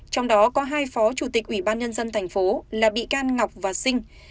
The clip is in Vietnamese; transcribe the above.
trong đó có hai phó chủ tịch ủy ban nhân dân tp là bị can ngọc và sinh